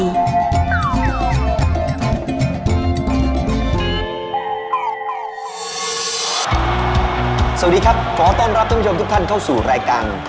สวัสดีครับขอต้อนรับท่านผู้ชมทุกท่านเข้าสู่รายการ